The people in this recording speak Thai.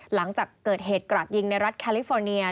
หลังจากเกิดเหตุกระดยิงในรัฐแคลิฟอร์เนีย